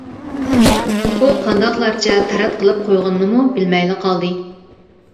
ئۇ قانداقلارچە تەرەت قىلىپ قويغىنىنىمۇ بىلمەيلا قالدى.